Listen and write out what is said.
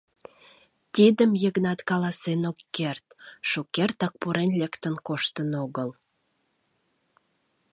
Тидым Йыгнат каласен ок керт: шукертак пурен лектын коштын огыл.